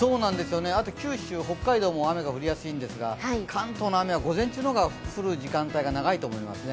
あと九州、北海道も雨が降りやすいんですが、関東の雨は午前中の方が降る時間が多いと思いますね。